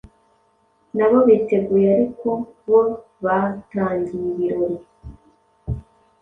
nabo biteguye ariko bo batangiye ibirori.